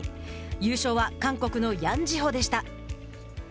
優勝は韓国のヤン・ジホでした。